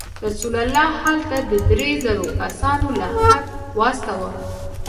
رسول الله هلته د درې زرو کسانو لښکر واستاوه.